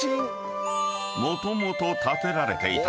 ［もともと建てられていた］